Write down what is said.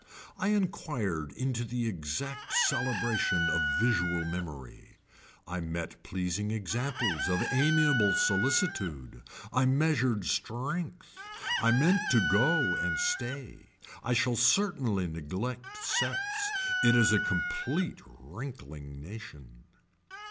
I inquired into the exact celebration of visual memory. I met pleasing examples of amiable solicitude. I measured strength. I mean to go and stay. I shall certainly neglect sets. It is a complete wrinkling nation.